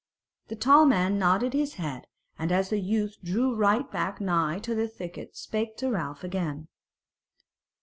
The tall man nodded his head, and as the youth drew right back nigh to the thicket, spake to Ralph again.